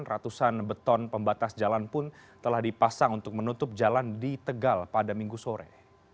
ratusan beton pembatas jalan pun telah dipasang untuk menutup jalan di tegal pada minggu sore